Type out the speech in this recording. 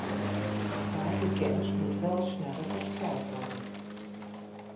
Maar die kennis moet wel sneller verspreid worden.